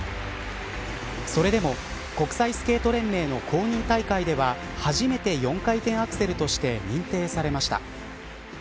それでも国際スケート連盟の公認大会では初めて４回転アクセルとして認定されました。